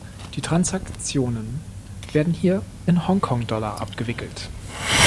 Die Transaktionen werden hier in Hongkong-Dollar abgewickelt.